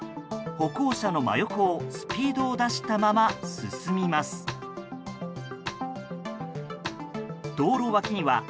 歩行者の真横をスピードを出したまま進みます。